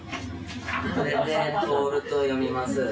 「これで“とおる”と読みます」